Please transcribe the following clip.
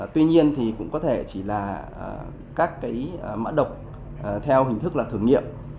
tuy nhiên thì cũng có thể chỉ là các cái mã độc theo hình thức là thử nghiệm